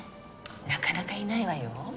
なかなかいないわよ。